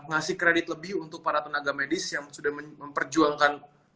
ngasih kredit lebih untuk para tenaga medis yang sudah memperjuangkan